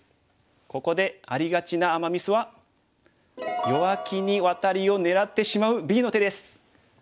ここでありがちなアマ・ミスは弱気にワタリを狙ってしまうＢの手です。